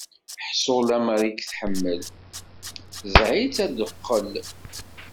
Ḥṣu lemmer i k-tḥemmel, ẓẓeɛ-itt ad d-teqqel.